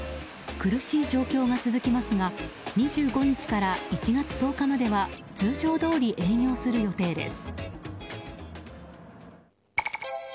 苦しい状況が続きますが２５日から１月１０日までは通常どおり営業する予定です。